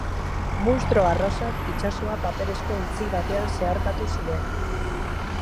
Munstro arrosak itsasoa paperezko ontzi batean zeharkatu zuen.